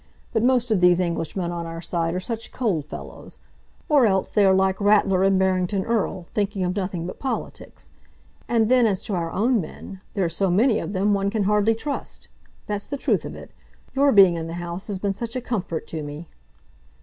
But most of these Englishmen on our side are such cold fellows; or else they are like Ratler and Barrington Erle, thinking of nothing but politics. And then as to our own men, there are so many of them one can hardly trust! That's the truth of it. Your being in the House has been such a comfort to me!"